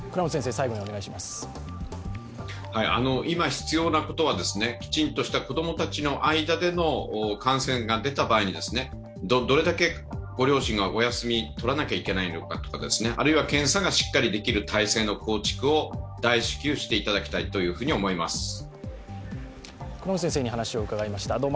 今、必要なことは、きちんとした子供たちの間での感染が出た場合に、どれだけご両親がお休みとらなきゃいけないのかとか検査がしっかりできる体制の構築を大至急していただきたいと思います。